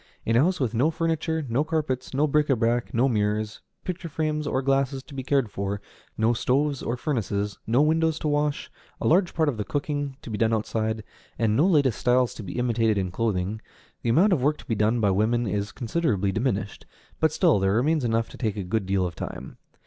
In a house with no furniture, no carpets, no bric à brac, no mirrors, picture frames or glasses to be cared for, no stoves or furnaces, no windows to wash, a large part of the cooking to be done outside, and no latest styles to be imitated in clothing, the amount of work to be done by women is considerably diminished, but still there remains enough to take a good deal of time.